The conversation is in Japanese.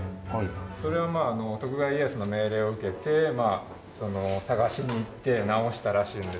それは徳川家康の命令を受けて捜しに行って直したらしいんですけれど。